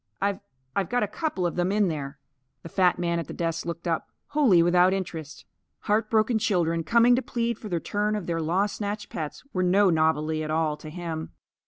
I've I've got a couple of them in there." The fat man at the desk looked up, wholly without interest. Heart broken children, coming to plead for the return of their law snatched pets, were no novelty at all to him.